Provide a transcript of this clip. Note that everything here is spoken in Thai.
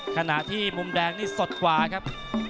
ขณะที่มุมแดงนี่สดกว่าครับ